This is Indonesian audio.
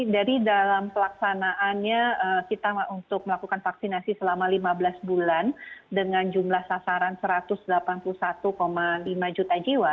dari dalam pelaksanaannya kita untuk melakukan vaksinasi selama lima belas bulan dengan jumlah sasaran satu ratus delapan puluh satu lima juta jiwa